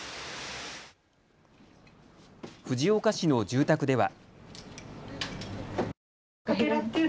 藤岡市の住宅では。